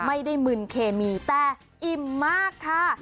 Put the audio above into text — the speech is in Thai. มึนเคมีแต่อิ่มมากค่ะ